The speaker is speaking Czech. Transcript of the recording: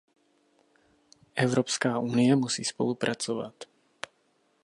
Evropská unie musí spolupracovat.